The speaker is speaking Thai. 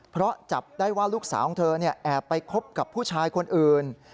เพราะจับได้ว่าลูกสาวของเธอแอบไปคบกับผู้ชายคนอื่น